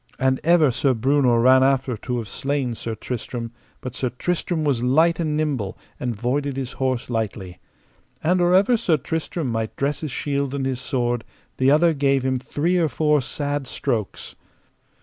And ever Sir Breunor ran after to have slain Sir Tristram, but Sir Tristram was light and nimble, and voided his horse lightly. And or ever Sir Tristram might dress his shield and his sword the other gave him three or four sad strokes.